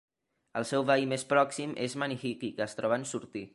El seu veí més pròxim és Manihiki, que es troba en sortir.